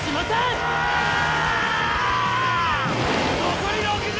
残り６０！